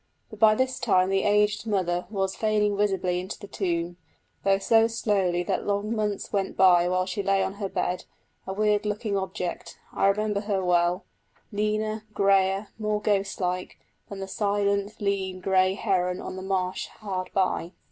But by this time the aged mother was fading visibly into the tomb, though so slowly that long months went by while she lay on her bed, a weird looking object I remember her well leaner, greyer, more ghost like, than the silent, lean, grey heron on the marsh hard by.